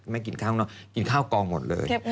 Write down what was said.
ไม่กินข้าวข้างนอกกินข้าวกองหมดเลย